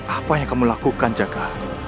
apa yang kamu lakukan jaga